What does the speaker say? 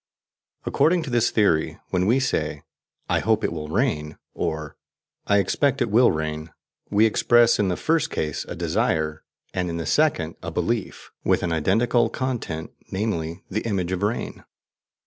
According to this theory, when we say: "I hope it will rain," or "I expect it will rain," we express, in the first case, a desire, and in the second, a belief, with an identical content, namely, the image of rain.